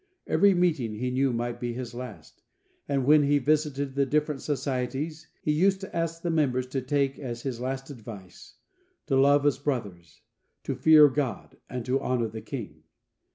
Every meeting he knew might be his last, and when he visited the different societies, he used to ask the members to take as his last advice: "To love as brothers, to fear God, and to honour the King."